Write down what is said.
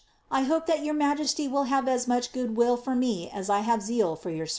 I hope that your migesty will have as much good will for me as I have zeal for your service.'